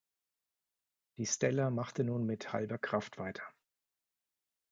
Die Stella machte nun mit halber Kraft weiter.